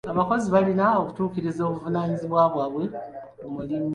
Abakozi balina okutuukiriza obuvunaanyizibwa bwabwe ku mulimu.